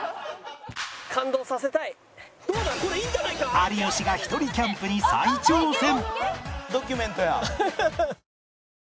有吉がひとりキャンプに再挑戦！